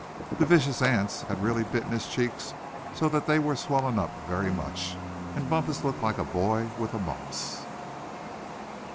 The vicious ants had really bitten his cheeks so that they were swollen up very much, and Bumpus looked like a boy with the mumps.